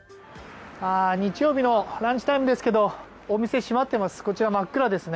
日曜日のランチタイムですけどお店、閉まってます。